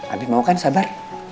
abi mau kan sabar